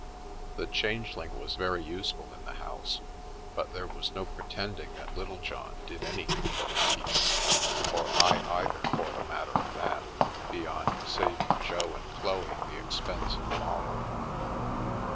The Changeling was very useful in the house, but there was no pretending that Littlejohn did anything for her keep, or I either, for the matter of that, beyond saving Jo and Chloe the expense of a model.